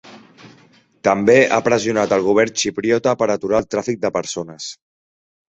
També ha pressionat el govern xipriota per aturar el tràfic de persones.